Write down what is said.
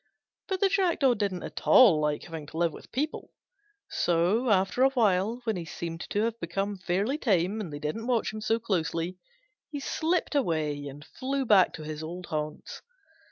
But the Jackdaw didn't at all like having to live with people; so, after a while, when he seemed to have become fairly tame and they didn't watch him so closely, he slipped away and flew back to his old haunts.